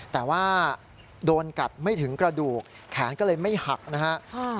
แต่ว่าโดนกัดไม่ถึงกระดูกแขนก็เลยไม่หักนะฮะ